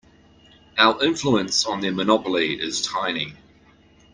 Our influence on their monopoly is tiny.